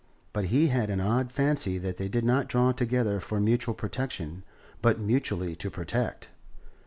But he had an odd fancy that they did not draw together for mutual protection, but mutually to protect.